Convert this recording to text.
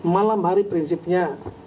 malam hari prinsipnya